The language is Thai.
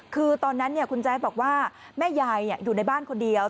คือตอนนั้นคุณแจ๊ดบอกว่าแม่ยายอยู่ในบ้านคนเดียว